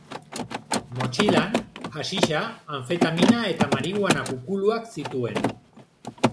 Motxilan haxixa, anfetamina eta marihuana kukuluak zituen.